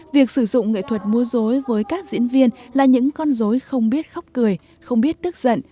việc sử dụng nghệ thuật mua dối với các diễn viên là những con dối không biết khóc cười không biết tức giận